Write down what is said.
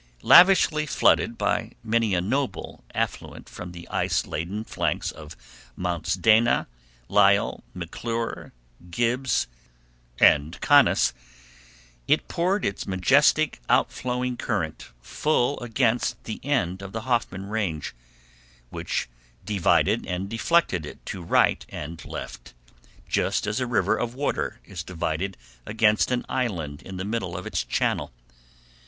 Lavishly flooded by many a noble affluent from the ice laden flanks of Mounts Dana, Lyell, McClure, Gibbs, Conness, it poured its majestic outflowing current full against the end of the Hoffman Range, which divided and deflected it to right and left, just as a river of water is divided against an island in the middle of its channel.